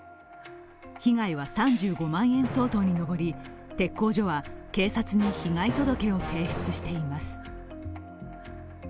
被害は３５万円相当に上り、鉄工所は警察に被害届を提出しています。